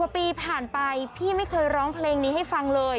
กว่าปีผ่านไปพี่ไม่เคยร้องเพลงนี้ให้ฟังเลย